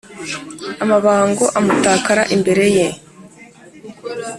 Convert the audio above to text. Amabango amutakara imbere ye;